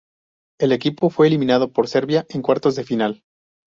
El equipo fue eliminado por Serbia en cuartos de final.